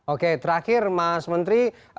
oke terakhir mas menteri